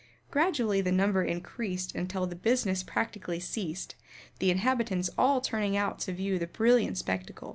Gradually the number increased until business practically ceased, the inhabitants all turning out to view the brilliant spectacle.